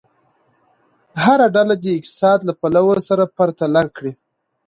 هره ډله دې اقتصاد له پلوه سره پرتله کړي.